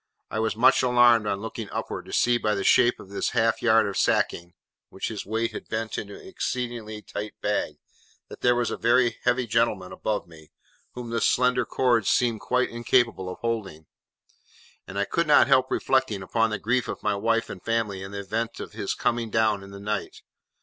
I was much alarmed on looking upward, to see, by the shape of his half yard of sacking (which his weight had bent into an exceedingly tight bag), that there was a very heavy gentleman above me, whom the slender cords seemed quite incapable of holding; and I could not help reflecting upon the grief of my wife and family in the event of his coming down in the night.